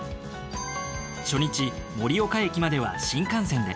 初日盛岡駅までは新幹線で。